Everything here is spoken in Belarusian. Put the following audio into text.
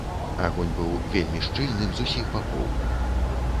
Агонь быў вельмі шчыльным з усіх бакоў.